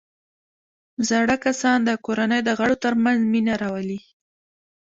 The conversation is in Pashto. زاړه کسان د کورنۍ د غړو ترمنځ مینه راولي